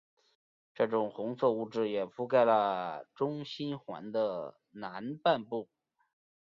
这些红色物质也覆盖了中心环的南半部。